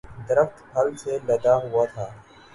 درخت پھل سے لدا ہوا تھا